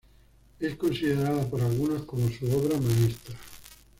Es considerada por algunos como su obra maestra.